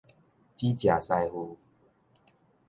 煮食師傅